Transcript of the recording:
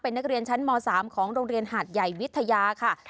นักเรียนชั้นม๓ของโรงเรียนหาดใหญ่วิทยาค่ะ